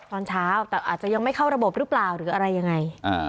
ตอนเช้าแต่อาจจะยังไม่เข้าระบบหรือเปล่าหรืออะไรยังไง